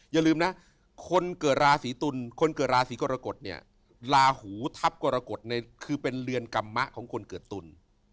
อย่าลืมนะคนเกิดราศีตุลคนเกิดราศีกรกฎเนี่ยลาหูทัพกรกฎเนี่ยคือเป็นเรือนกรรมมะของคนเกิดตุล